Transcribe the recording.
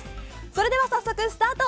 それでは早速スタート。